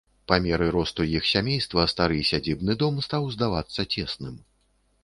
Па меры росту іх сямейства стары сядзібны дом стаў здавацца цесным.